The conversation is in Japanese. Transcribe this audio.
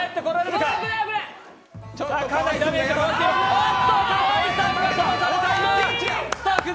おっと川井さんが飛ばされた！